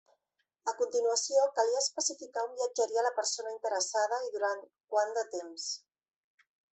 A continuació, calia especificar on viatjaria la persona interessada i durant quant de temps.